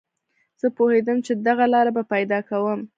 زه پوهېدم چې دغه لاره به پیدا کوم